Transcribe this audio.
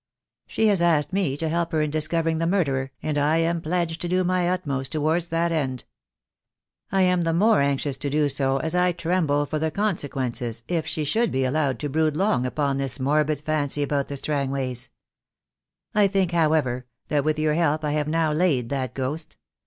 She has asked me to help her in discovering the murderer, and I am pledged to do my utmost towards that end. I am the more anxious to do so as I tremble for the consequences if she should be allowed to brood long upon this morbid fancy about the Strangways. I think, however, that with your help I have now laid that ghost.